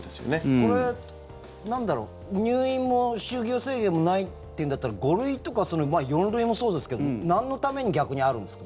これ、入院も就業制限もないっていうんだったら５類とか、４類もそうですけどなんのために逆にあるんですか？